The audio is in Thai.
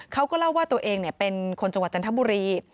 เขาก็เล่าว่าตัวเองเป็นคนจังหวัดจันทบุรี